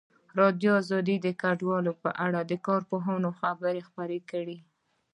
ازادي راډیو د کډوال په اړه د کارپوهانو خبرې خپرې کړي.